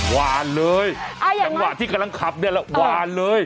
หวานเลยจังหวะที่กำลังขับเนี่ยแหละหวานเลย